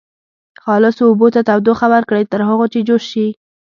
خالصو اوبو ته تودوخه ورکړئ تر هغو چې جوش شي.